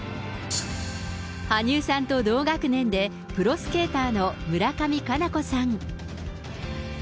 羽生さんと同学年で、プロスケーターの村上佳菜子さん。